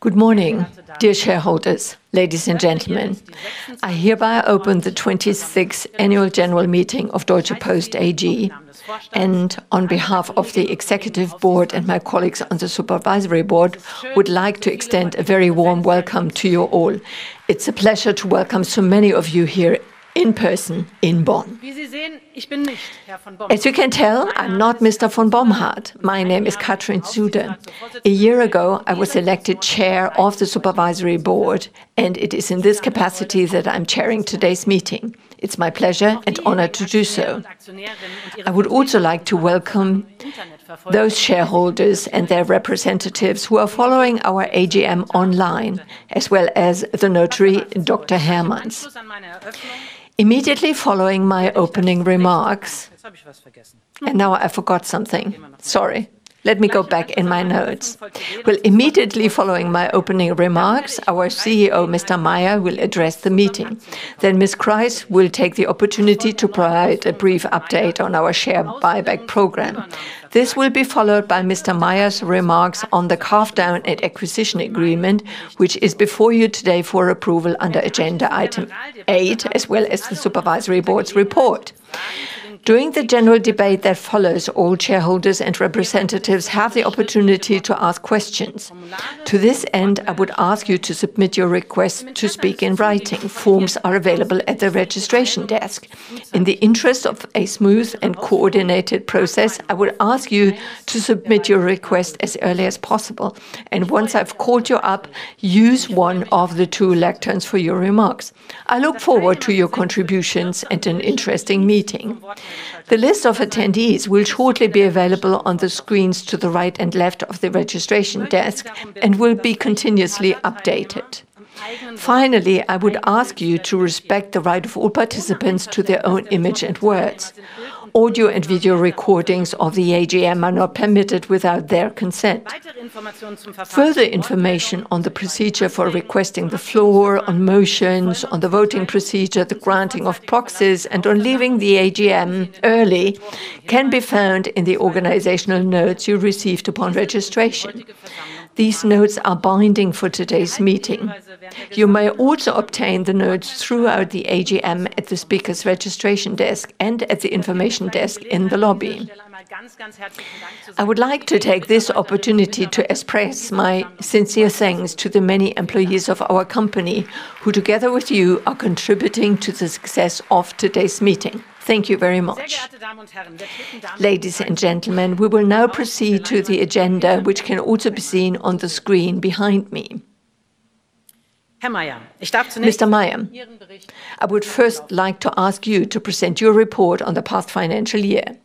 Good morning, dear shareholders, ladies and gentlemen. I hereby open the 26th annual general meeting of Deutsche Post AG. On behalf of the executive board and my colleagues on the supervisory board, would like to extend a very warm welcome to you all. It's a pleasure to welcome so many of you here in-person in Bonn. As you can tell, I'm not Mr. von Bomhard. My name is Katrin Suder. A year ago, I was elected chair of the supervisory board. It is in this capacity that I'm chairing today's meeting. It's my pleasure and honor to do so. I would also like to welcome those shareholders and their representatives who are following our AGM online, as well as the notary, Dr. Hermann. Immediately following my opening remarks- right now I forgot something. Sorry. Let me go back in my notes. Well, immediately following my opening remarks, our CEO, Mr. Meyer, will address the meeting then Ms. Kreis will take the opportunity to provide a brief update on our share buyback program. This will be followed by Mr. Meyer's remarks on the carve-down at acquisition agreement, which is before you today for approval under agenda Item 8, as well as the Supervisory Board's report. During the general debate that follows, all shareholders and representatives have the opportunity to ask questions. To this end, I would ask you to submit your request to speak in writing. Forms are available at the registration desk. In the interest of a smooth and coordinated process, I would ask you to submit your request as early as possible. Once I've called you up, use one of the two lecterns for your remarks. I look forward to your contributions at an interesting meeting. The list of attendees will shortly be available on the screens to the right and left of the registration desk and will be continuously updated. Finally, I would ask you to respect the right of all participants to their own image and words. Audio and video recordings of the AGM are not permitted without their consent. Further information on the procedure for requesting the floor, on motions, on the voting procedure, the granting of proxies, and on leaving the AGM early can be found in the organizational notes you received upon registration. These notes are binding for today's meeting. You may also obtain the notes throughout the AGM at the speaker's registration desk and at the information desk in the lobby. I would like to take this opportunity to express my sincere thanks to the many employees of our company who, together with you, are contributing to the success of today's meeting. Thank you very much. Ladies and gentlemen, we will now proceed to the agenda, which can also be seen on the screen behind me. Mr. Meyer, I would first like to ask you to present your report on the past financial year.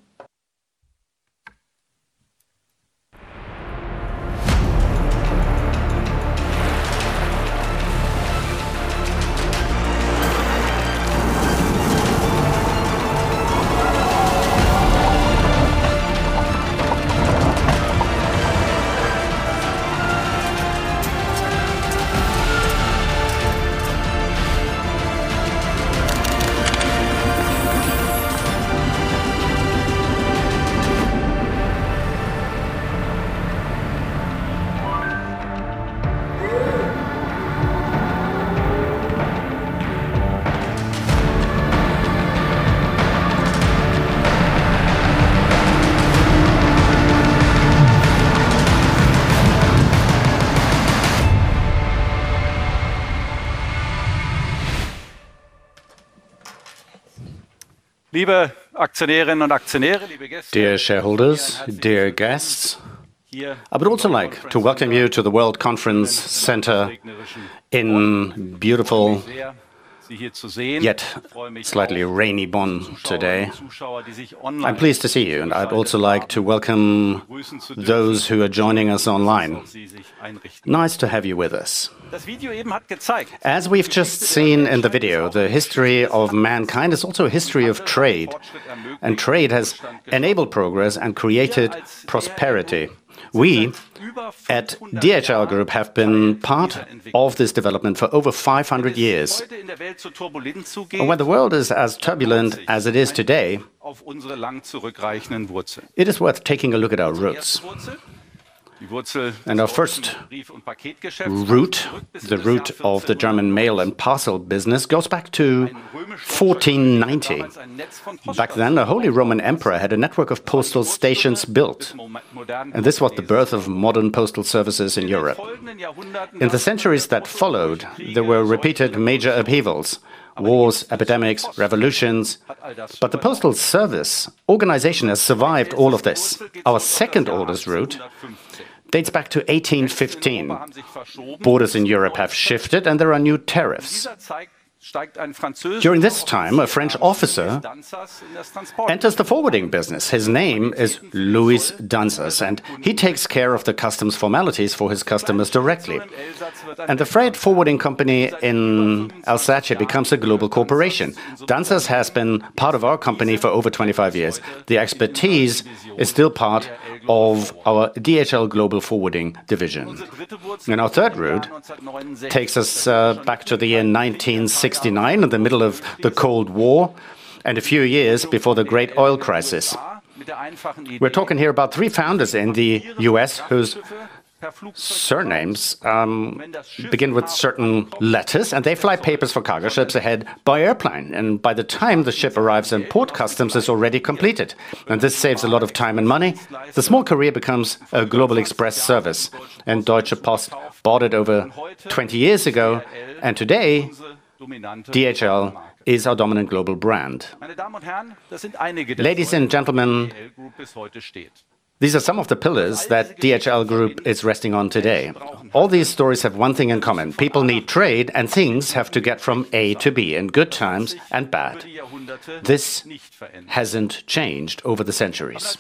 Dear shareholders, dear guests, I would also like to welcome you to the World Conference Center in beautiful, yet slightly rainy Bonn today. I'm pleased to see you, and I'd also like to welcome those who are joining us online. Nice to have you with us. As we've just seen in the video, the history of mankind is also a history of trade, and trade has enabled progress and created prosperity. We at DHL Group have been part of this development for over 500 years. When the world is as turbulent as it is today, it is worth taking a look at our roots. Our first root, the root of the German mail and parcel business, goes back to 1490. Back then, the Holy Roman Emperor had a network of postal stations built, and this was the birth of modern postal services in Europe. In the centuries that followed, there were repeated major upheavals, wars, epidemics, revolutions, but the postal service organization has survived all of this. Our second-oldest root dates back to 1815. Borders in Europe have shifted and there are new tariffs. During this time, a French officer enters the forwarding business. His name is Louis Danzas, and he takes care of the customs formalities for his customers directly. The freight forwarding company in Alsace becomes a global corporation. Danzas has been part of our company for over 25 years. The expertise is still part of our DHL Global Forwarding division. Our third root takes us back to the year 1969, in the middle of the Cold War and a few years before the great oil crisis. We're talking here about three founders in the U.S. whose surnames begin with certain letters, and they fly papers for cargo ships ahead by airplane. By the time the ship arrives in port, customs is already completed, and this saves a lot of time and money. The small courier becomes a global express service, and Deutsche Post bought it over 20 years ago and today, DHL is our dominant global brand. Ladies and gentlemen, these are some of the pillars that DHL Group is resting on today. All these stories have one thing in common: people need trade, and things have to get from A to B in good times and bad. This hasn't changed over the centuries,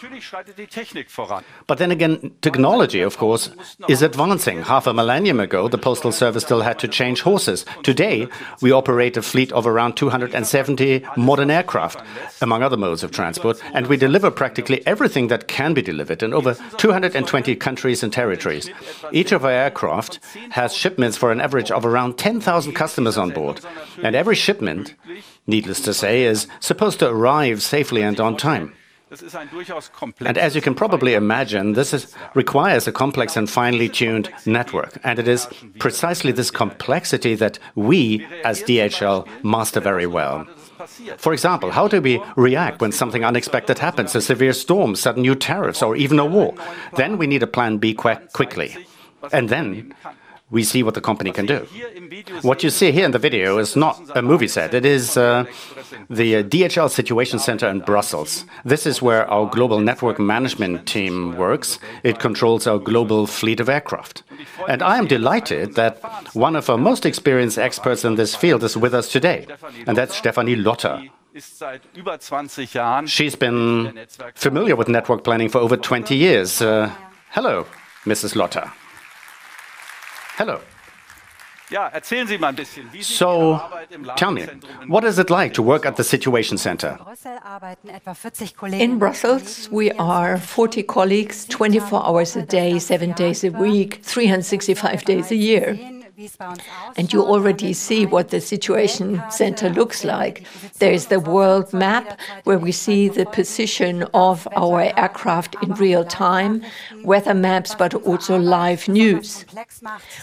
but then technology, of course, is advancing. Half a millennium ago, the postal service still had to change horses. Today, we operate a fleet of around 270 modern aircraft, among other modes of transport, and we deliver practically everything that can be delivered in over 220 countries and territories. Each of our aircraft has shipments for an average of around 10,000 customers on board. Every shipment, needless to say, is supposed to arrive safely and on time. As you can probably imagine, this requires a complex and finely tuned network, and it is precisely this complexity that we, as DHL, master very well. For example, how do we react when something unexpected happens, a severe storm, sudden new tariffs, or even a war and we need a plan B quickly, and then we see what the company can do. What you see here in the video is not a movie set. It is the DHL situation center in Brussels. This is where our global network management team works. It controls our global fleet of aircraft and I am delighted that one of our most experienced experts in this field is with us today, and that's Stefanie Lotter. She's been familiar with network planning for over 20 years. Hello, Mrs. Lotter. Hello. Tell me, what is it like to work at the situation center? In Brussels, we are 40 colleagues, 24 hours a day, seven days a week, 365 days a year. You already see what the situation center looks like. There is the world map, where we see the position of our aircraft in real-time, weather maps, but also live news.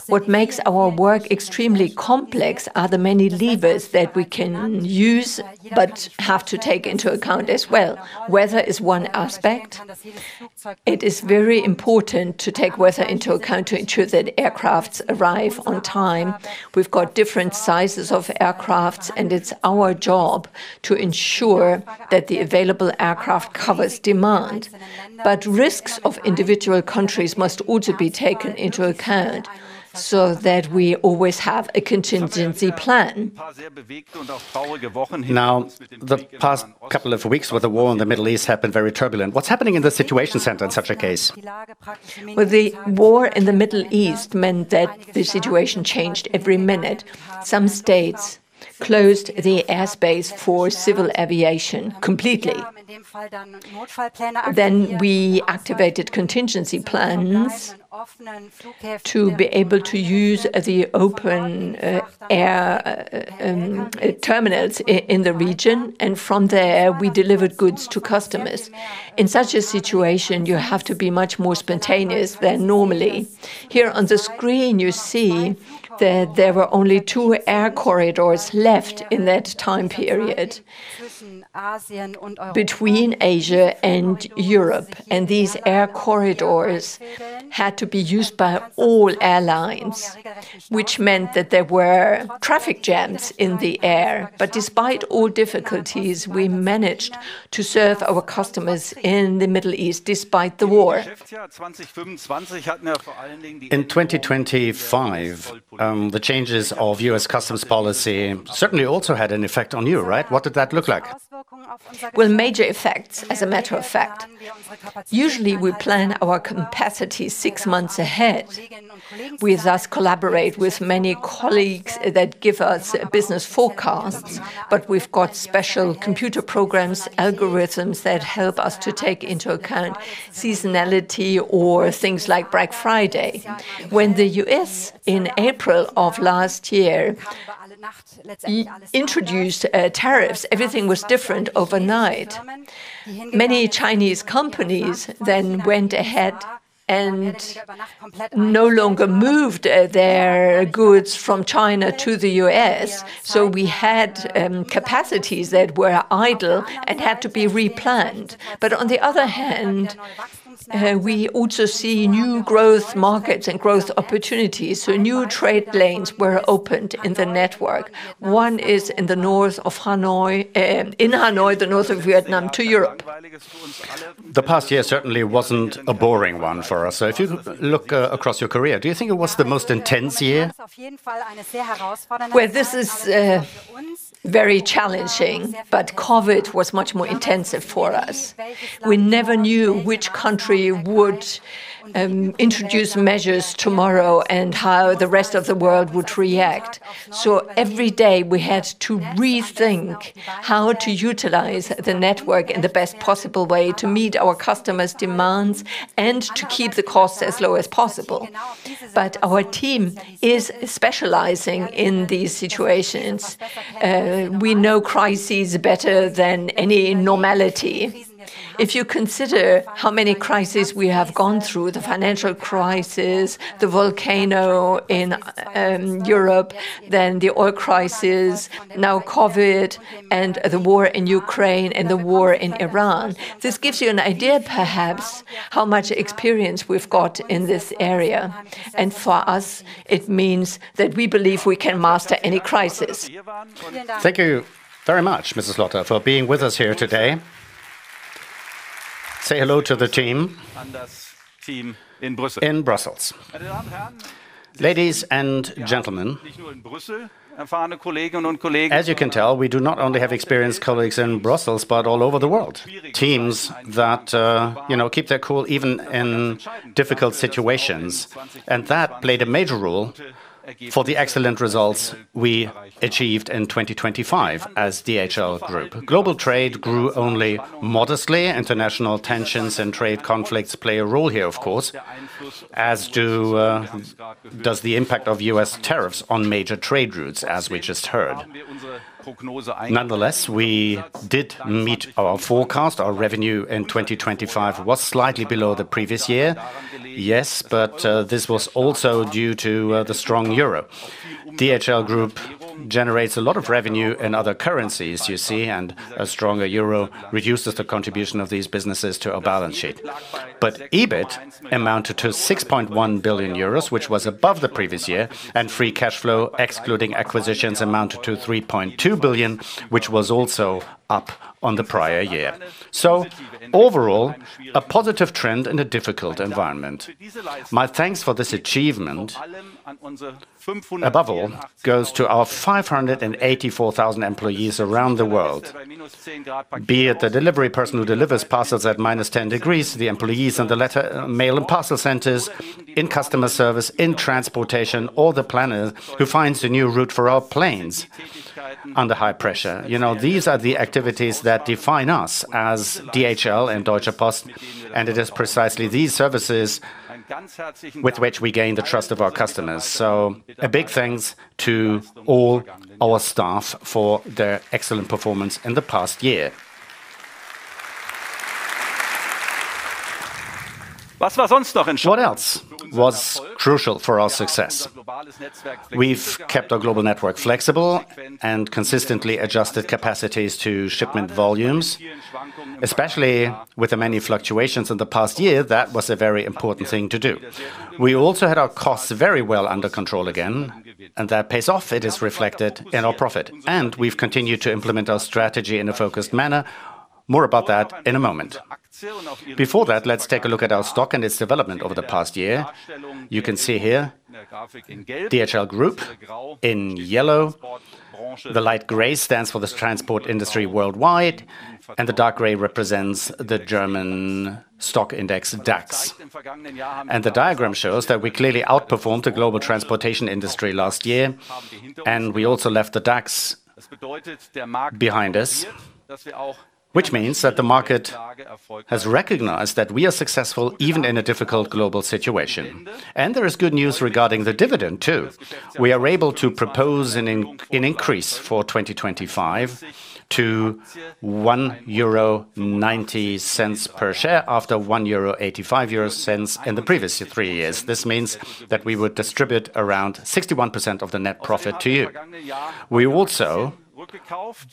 What makes our work extremely complex are the many levers that we can use but have to take into account as well. Weather is one aspect. It is very important to take weather into account to ensure that aircrafts arrive on time. We've got different sizes of aircrafts, and it's our job to ensure that the available aircraft covers demand but risks of individual countries must also be taken into account so that we always have a contingency plan. The past couple of weeks with the war in the Middle East have been very turbulent. What's happening in the situation center in such a case? The war in the Middle East meant that the situation changed every minute. Some states closed the airspace for civil aviation completely. Far then, we activated contingency plans to be able to use the open air terminals in the region, and from there we delivered goods to customers. In such a situation, you have to be much more spontaneous than normally. Here on the screen, you see that there were only two air corridors left in that time period between Asia and Europe, and these air corridors had to be used by all airlines, which meant that there were traffic jams in the air. Despite all difficulties, we managed to serve our customers in the Middle East despite the war. In 2025, the changes of U.S. customs policy certainly also had an effect on you, right? What did that look like? Well, major effects, as a matter of fact. Usually, we plan our capacity six months ahead. We thus collaborate with many colleagues that give us business forecasts, but we've got special computer programs, algorithms that help us to take into account seasonality or things like Black Friday. When the U.S., in April of last year, introduced tariffs, everything was different overnight. Many Chinese companies went ahead and no longer moved their goods from China to the U.S. so we had capacities that were idle and had to be replanned. On the other hand, we also see new growth markets and growth opportunities, so new trade lanes were opened in the network. One is in the north of Hanoi, in Hanoi, the north of Vietnam, to Europe. The past year certainly wasn't a boring one for us. If you look across your career, do you think it was the most intense year? Well, this is very challenging, but COVID was much more intensive for us. We never knew which country would introduce measures tomorrow and how the rest of the world would react. Every day we had to rethink how to utilize the network in the best possible way to meet our customers' demands and to keep the costs as low as possible but our team is specializing in these situations and we know crises better than any normality. If you consider how many crises we have gone through, the financial crisis, the volcano in Europe, then the oil crisis, now COVID, and the war in Ukraine, and the war in Iran, this gives you an idea perhaps how much experience we've got in this area. For us, it means that we believe we can master any crisis. Thank you very much, Mrs. Lotter, for being with us here today. Say hello to the team in Brussels. Ladies and gentlemen, as you can tell, we do not only have experienced colleagues in Brussels, but all over the world. Teams that, you know, keep their cool even in difficult situations, and that played a major role for the excellent results we achieved in 2025 as DHL Group. Global trade grew only modestly. International tensions and trade conflicts play a role here, of course, as do, does the impact of U.S. tariffs on major trade routes, as we just heard unless we did meet our forecast. Our revenue in 2025 was slightly below the previous year, yes, but, this was also due to, the strong euro. DHL Group generates a lot of revenue in other currencies, you see, a stronger euro reduces the contribution of these businesses to our balance sheet but EBIT amounted to 6.1 billion euros, which was above the previous year, and free cash flow, excluding acquisitions, amounted to 3.2 billion, which was also up on the prior year. Overall, a positive trend in a difficult environment. My thanks for this achievement, above all, goes to our 584,000 employees around the world, be it the delivery person who delivers parcels at -10 degrees, the employees in the letter, mail and parcel centers, in customer service, in transportation, or the planner who finds a new route for our planes under high pressure. You know, these are the activities that define us as DHL and Deutsche Post, and it is precisely these services with which we gain the trust of our customers, so a big thanks to all our staff for their excellent performance in the past year. What else was crucial for our success? We've kept our global network flexible and consistently adjusted capacities to shipment volumes especially with the many fluctuations in the past year, that was a very important thing to do. We also had our costs very well under control again, and that pays off. It is reflected in our profit and we've continued to implement our strategy in a focused manner, more about that in a moment. Before that, let's take a look at our stock and its development over the past year. You can see here DHL Group in yellow. The light gray stands for the transport industry worldwide, and the dark gray represents the German stock index DAX. The diagram shows that we clearly outperformed the global transportation industry last year, and we also left the DAX behind us, which means that the market has recognized that we are successful even in a difficult global situation and there is good news regarding the dividend, too. We are able to propose an increase for 2025 to EUR 1.90 per share after 1.85 euro in the previous three years. This means that we would distribute around 61% of the net profit to you. We also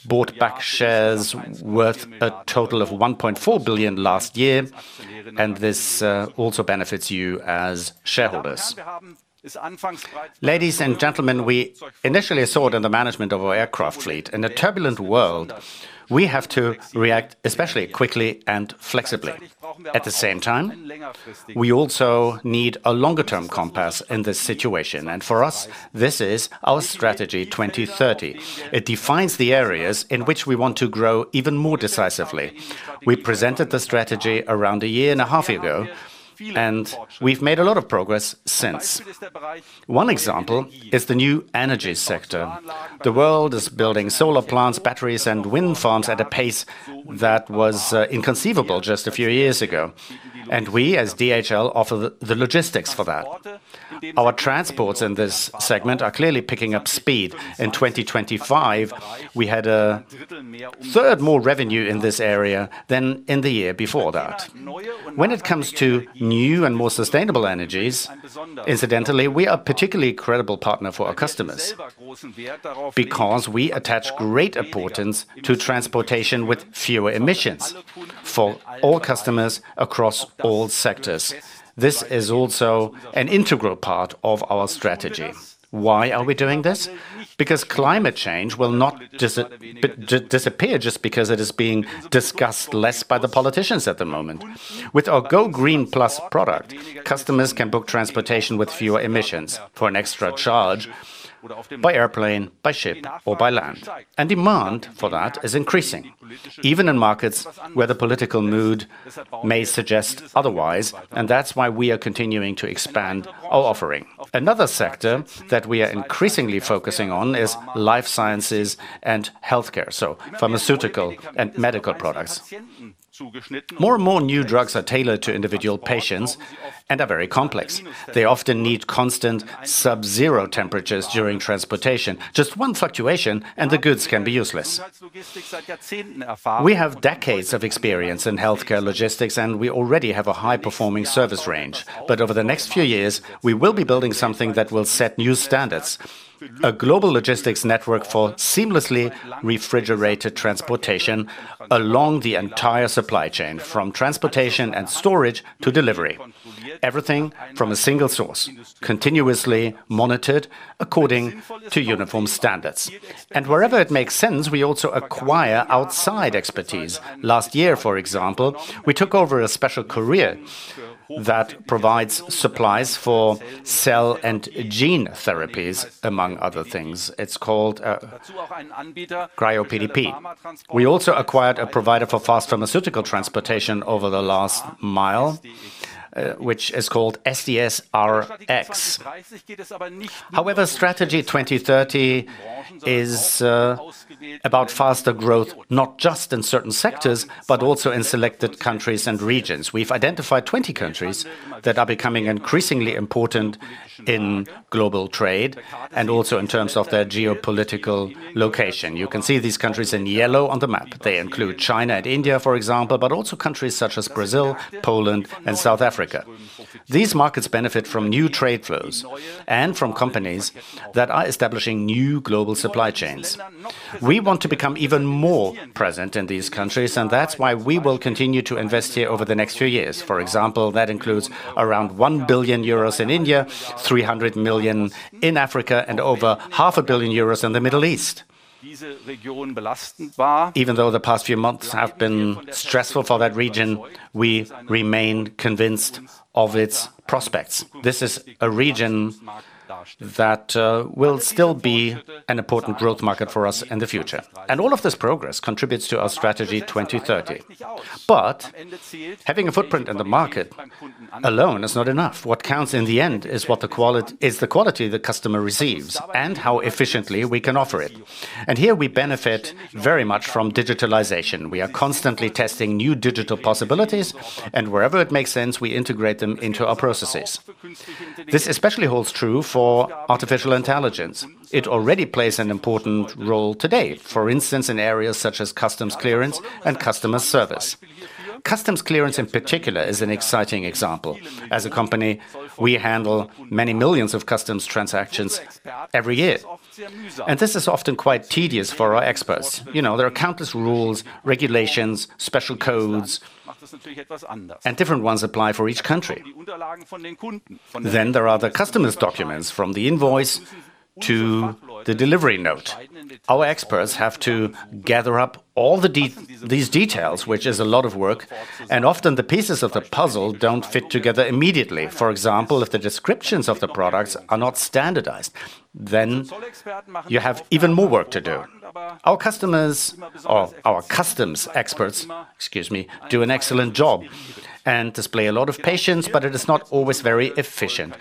bought back shares worth a total of 1.4 billion last year, and this also benefits you as shareholders. Ladies and gentlemen, we initially sought in the management of our aircraft fleet. In a turbulent world, we have to react especially quickly and flexibly. At the same time, we also need a longer-term compass in this situation, and for us, this is our Strategy 2030. It defines the areas in which we want to grow even more decisively. We presented the Strategy around a year and a half ago, and we've made a lot of progress since. One example is the new energy sector. The world is building solar plants, batteries, and wind farms at a pace that was inconceivable just a few years ago, and we, as DHL, offer the logistics for that. Our transports in this segment are clearly picking up speed. In 2025, we had a third more revenue in this area than in the year before that. When it comes to new and more sustainable energies, incidentally, we are a particularly credible partner for our customers because we attach great importance to transportation with fewer emissions for all customers across all sectors. This is also an integral part of our strategy. Why are we doing this? Because climate change will not disappear just because it is being discussed less by the politicians at the moment. With our GoGreen Plus product, customers can book transportation with fewer emissions for an extra charge by airplane, by ship, or by land. Demand for that is increasing, even in markets where the political mood may suggest otherwise and that's why we are continuing to expand our offering. Another sector that we are increasingly focusing on is life sciences and healthcare, so pharmaceutical and medical products. More and more new drugs are tailored to individual patients and are very complex. They often need constant subzero temperatures during transportation. Just one fluctuation, and the goods can be useless. We have decades of experience in healthcare logistics, and we already have a high-performing service range but over the next few years, we will be building something that will set new standards, a global logistics network for seamlessly refrigerated transportation along the entire supply chain, from transportation and storage to delivery. Everything from a single source, continuously monitored according to uniform standards and wherever it makes sense, we also acquire outside expertise. Last year, for example, we took over a special courier that provides supplies for cell and gene therapies, among other things. It's called CRYOPDP. We also acquired a provider for fast pharmaceutical transportation over the last mile, which is called SDS Rx. With the Strategy 2030 is about faster growth, not just in certain sectors, but also in selected countries and regions. We've identified 20 countries that are becoming increasingly important in global trade and also in terms of their geopolitical location. You can see these countries in yellow on the map. They include China and India, for example, but also countries such as Brazil, Poland and South Africa. These markets benefit from new trade flows and from companies that are establishing new global supply chains. We want to become even more present in these countries, that's why we will continue to invest here over the next few years. For example, that includes around 1 billion euros in India, 300 million in Africa and over 0.5 billion euros in the Middle East. Even though the past few months have been stressful for that region, we remain convinced of its prospects. This is a region that will still be an important growth market for us in the future and all of this progress contributes to our Strategy 2030 but having a footprint in the market alone is not enough. What counts in the end is the quality the customer receives and how efficiently we can offer it, and here we benefit very much from digitalization. We are constantly testing new digital possibilities and wherever it makes sense, we integrate them into our processes. This especially holds true for artificial intelligence. It already plays an important role today, for instance, in areas such as customs clearance and customer service. Customs clearance in particular is an exciting example. As a company, we handle many millions of customs transactions every year, and this is often quite tedious for our experts. You know, there are countless rules, regulations, special codes, and different ones apply for each country. There are the customer's documents from the invoice to the delivery note. Our experts have to gather up all these details, which is a lot of work, and often the pieces of the puzzle don't fit together immediately. For example, if the descriptions of the products are not standardized, then you have even more work to do. Our customers, or our customs experts, excuse me, do an excellent job and display a lot of patience, but it is not always very efficient,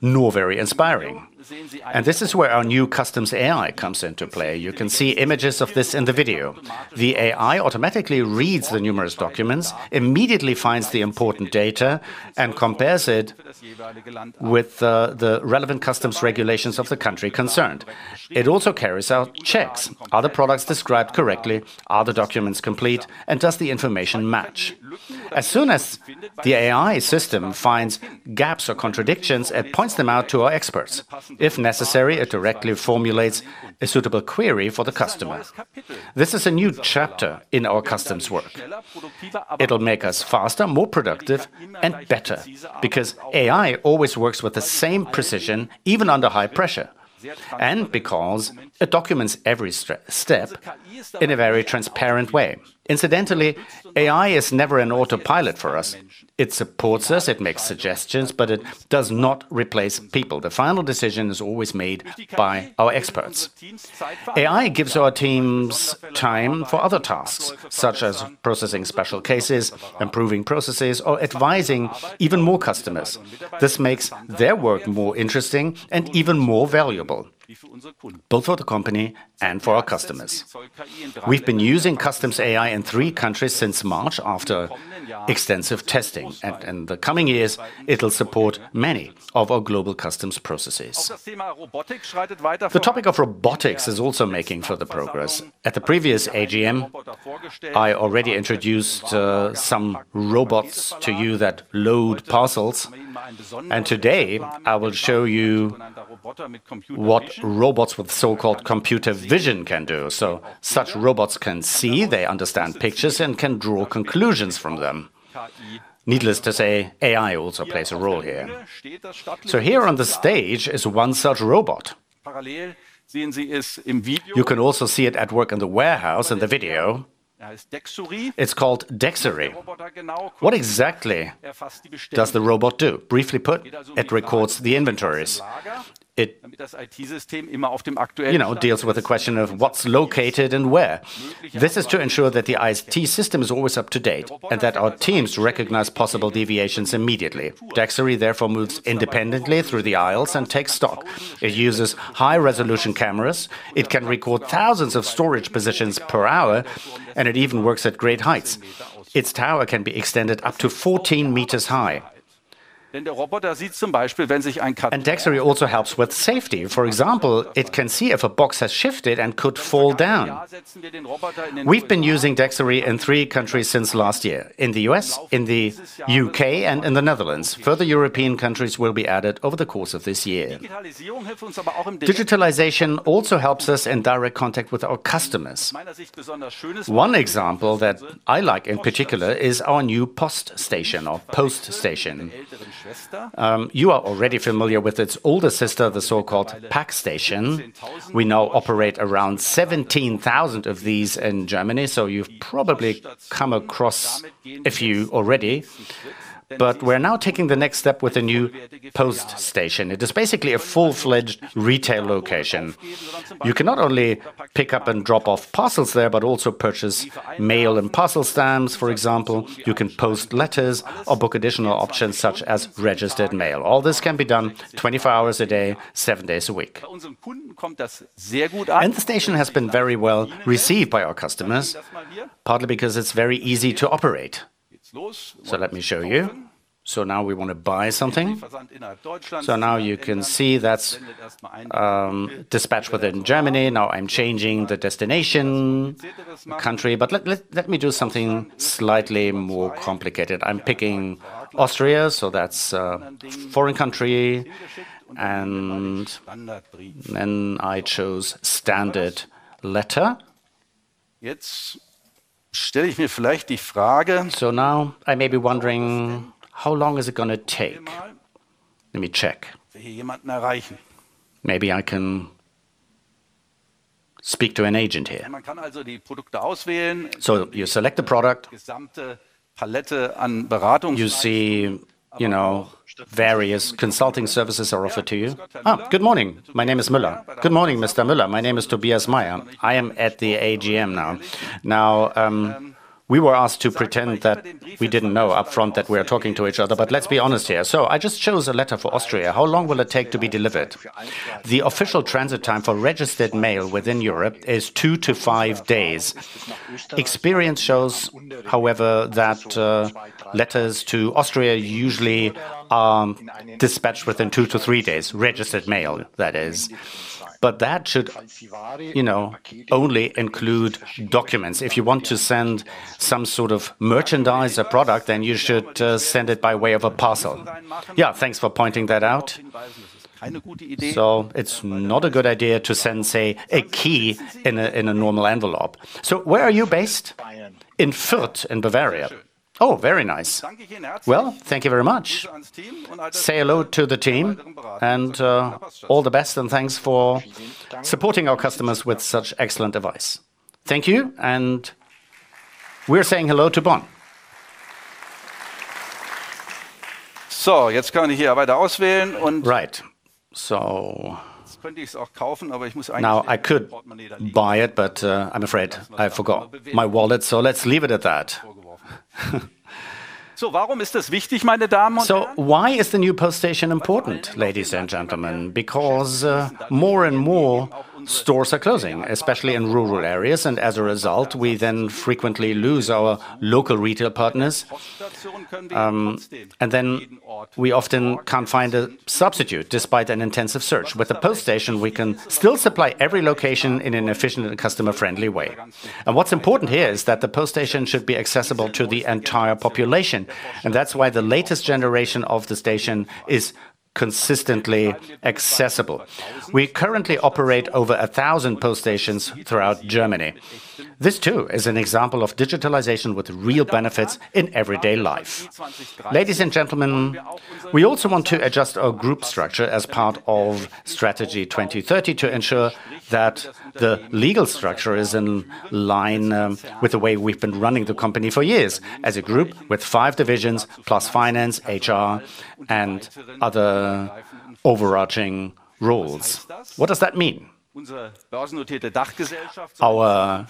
nor very inspiring ND this is where our new customs AI comes into play. You can see images of this in the video. The AI automatically reads the numerous documents, immediately finds the important data, and compares it with the relevant customs regulations of the country concerned. It also carries out checks. Are the products described correctly? Are the documents complete, and does the information match? As soon as the AI system finds gaps or contradictions, it points them out to our experts. If necessary, it directly formulates a suitable query for the customer. This is a new chapter in our customs work. It'll make us faster, more productive, and better because AI always works with the same precision, even under high pressure, and because it documents every step in a very transparent way. Incidentally, AI is never an autopilot for us. It supports us, it makes suggestions, but it does not replace people. The final decision is always made by our experts. AI gives our teams time for other tasks, such as processing special cases, improving processes, or advising even more customers, this makes their work more interesting and even more valuable, both for the company and for our customers. We've been using customs AI in three countries since March after extensive testing, and in the coming years it'll support many of our global customs processes. The topic of robotics is also making further progress. At the previous AGM, I already introduced some robots to you that load parcels, and today I will show you what robots with so-called computer vision can do. Such robots can see, they understand pictures, and can draw conclusions from them. Needless to say, AI also plays a role here. Here on the stage is one such robot. You can also see it at work in the warehouse in the video. It's called Dexory. What exactly does the robot do? Briefly put, it records the inventories. It, you know, deals with the question of what's located and where. This is to ensure that the IST system is always up to date, and that our teams recognize possible deviations immediately. Dexory therefore moves independently through the aisles and takes stock, it uses high-resolution cameras. It can record thousands of storage positions per hour, and it even works at great heights. Its tower can be extended up to 14 m high. Dexory also helps with safety. For example, it can see if a box has shifted and could fall down. We've been using Dexory in three countries since last year, in the U.S., in the U.K., and in the Netherlands. Further European countries will be added over the course of this year. Digitalization also helps us in direct contact with our customers. One example that I like in particular is our new Poststation, or Poststation. You are already familiar with its older sister, the so-called Packstation. We now operate around 17,000 of these in Germany, you've probably come across a few already. We're now taking the next step with a new Poststation. It is basically a full-fledged retail location. You can not only pick up and drop off parcels there, but also purchase mail and parcel stamps, for example. You can post letters or book additional options such as registered mail. All this can be done 24 hours a day, seven days a week. The station has been very well received by our customers, partly because it's very easy to operate. Let me show you. Now we want to buy something. Now you can see that's dispatched within Germany. Now I'm changing the destination country. Let me do something slightly more complicated. I'm picking Austria, so that's a foreign country and I chose standard letter. Now I may be wondering, how long is it going to take? Let me check. Maybe I can speak to an agent here so you select the product. You see, you know, various consulting services are offered to you. Good morning. My name is Mueller. Good morning, Mr. Mueller. My name is Tobias Meyer. I am at the AGM now. We were asked to pretend that we didn't know upfront that we're talking to each other, but let's be honest here. I just chose a letter for Austria. How long will it take to be delivered? The official transit time for registered mail within Europe is two to five days. Experience shows, however, that letters to Austria usually are dispatched within two to three days. Registered mail, that is but that should, you know, only include documents. If you want to send some sort of merchandise or product, you should send it by way of a parcel. Yeah, thanks for pointing that out. It's not a good idea to send, say, a key in a normal envelope. Where are you based? In Fürth, in Bavaria. Very nice. Thank you very much. Say hello to the team, and all the best, and thanks for supporting our customers with such excellent advice. Thank you, we're saying hello to Bonn. Right. Now I could buy it, I'm afraid I forgot my wallet, let's leave it at that. Why is the new Poststation important, ladies and gentlemen because more and more stores are closing, especially in rural areas, and as a result, we then frequently lose our local retail partners and then we often can't find a substitute, despite an intensive search. With the Poststation, we can still supply every location in an efficient and customer-friendly way. What's important here is that the Poststation should be accessible to the entire population, and that's why the latest generation of the station is consistently accessible. We currently operate over 1,000 Poststations throughout Germany. This too is an example of digitalization with real benefits in everyday life. Ladies and gentlemen, we also want to adjust our group structure as part of Strategy 2030 to ensure that the legal structure is in line with the way we've been running the company for years, as a group with five divisions, plus finance, HR, and other overarching roles. What does that mean? Our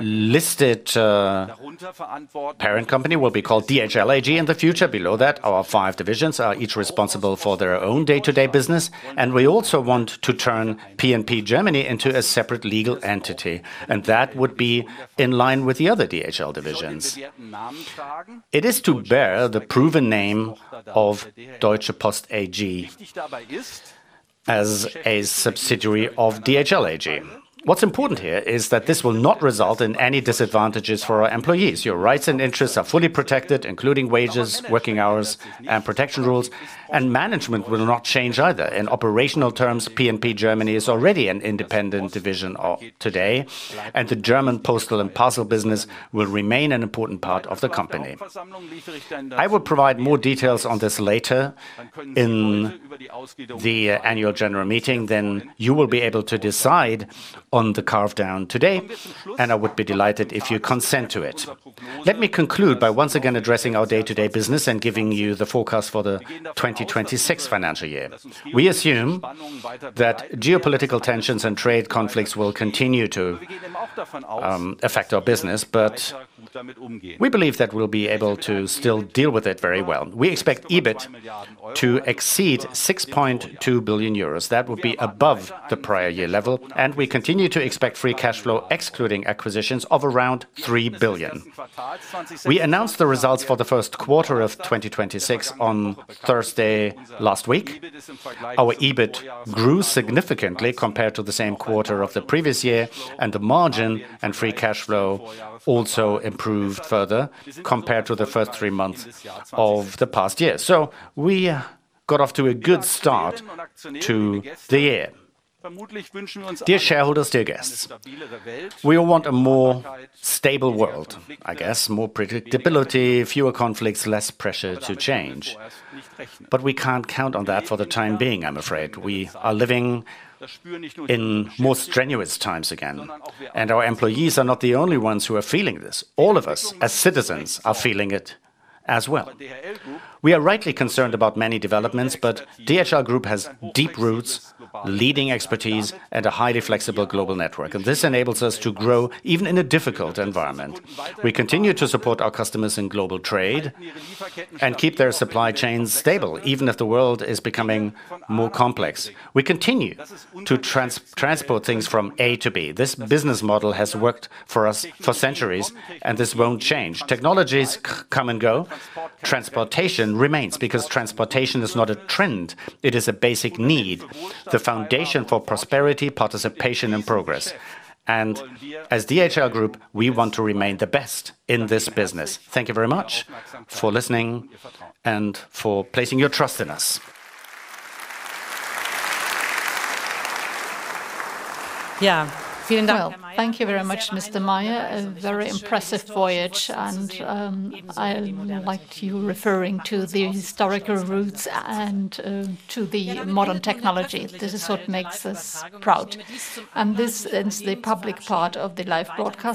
listed parent company will be called DHL AG in the future. Below that, our five divisions are each responsible for their own day-to-day business, and we also want to turn P&P Germany into a separate legal entity, and that would be in line with the other DHL divisions. It is to bear the proven name of Deutsche Post AG as a subsidiary of DHL AG. What's important here is that this will not result in any disadvantages for our employees. Your rights and interests are fully protected, including wages, working hours, and protection rules, and management will not change either. In operational terms, P&P Germany is already an independent division today, and the German postal and parcel business will remain an important part of the company. I will provide more details on this later in the annual general meeting. You will be able to decide on the carve-out today, and I would be delighted if you consent to it. Let me conclude by once again addressing our day-to-day business and giving you the forecast for the 2026 financial year. We assume that geopolitical tensions and trade conflicts will continue to affect our business, but we believe that we'll be able to still deal with it very well. We expect EBIT to exceed 6.2 billion euros, that would be above the prior year level and we continue to expect free cash flow, excluding acquisitions, of around 3 billion. We announced the results for the first quarter of 2026 on Thursday last week. Our EBIT grew significantly compared to the same quarter of the previous year, and the margin and free cash flow also improved further compared to the first three months of the past year. We got off to a good start to the year. Dear shareholders, dear guests, we all want a more stable world, I guess, more predictability, fewer conflicts, less pressure to change. We can't count on that for the time being, I'm afraid. We are living in more strenuous times again, and our employees are not the only ones who are feeling this. All of us, as citizens, are feeling it as well. We are rightly concerned about many developments, but DHL Group has deep roots, leading expertise, and a highly flexible global network, and this enables us to grow even in a difficult environment. We continue to support our customers in global trade and keep their supply chains stable, even if the world is becoming more complex. We continue to transport things from A to B. This business model has worked for us for centuries, and this won't change. Technologies come and go. Transportation remains because transportation is not a trend, it is a basic need, the foundation for prosperity, participation, and progress. As DHL Group, we want to remain the best in this business. Thank you very much for listening and for placing your trust in us. Well, thank you very much, Mr. Meyer. A very impressive voyage and I liked you referring to the historical roots and to the modern technology. This is what makes us proud and this ends the public part of the live broadcast.